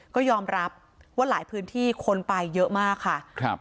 ก็ยอมรับว่าหลายพื้นที่คนไปเยอะมากค่ะครับ